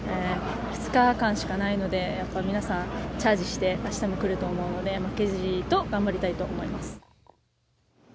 ２日間しかないので皆さんチャージしてあしたも来ると思うので負けじと頑張りたいと思います。